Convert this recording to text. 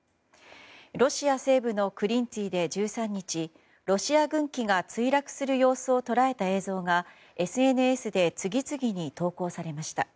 ロシア西部のクリンツィで１３日ロシア軍機墜落する様子を捉えた映像がＳＮＳで次々に投稿されました。